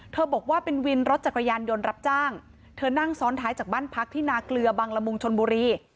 บอกว่าเป็นวินรถจักรยานยนต์รับจ้างเธอนั่งซ้อนท้ายจากบ้านพักที่นาเกลือบังละมุงชนบุรี